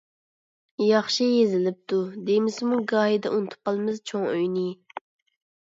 ياخشى يېزىلىپتۇ. دېمىسىمۇ گاھىدا ئۇنتۇپ قالىمىز چوڭ ئۆينى.